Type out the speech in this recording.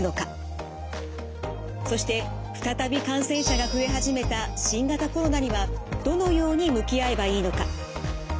そして再び感染者が増え始めた新型コロナにはどのように向き合えばいいのか？